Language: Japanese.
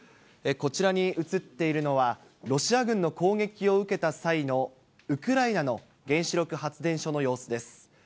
こちらに映っているのは、ロシア軍の攻撃を受けた際のウクライナの原子力発電所の様子です。